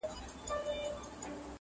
یو مُلا وو یوه ورځ سیند ته لوېدلی٫